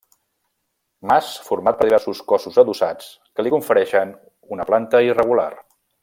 Mas format per diversos cossos adossats que li confereixen una planta irregular.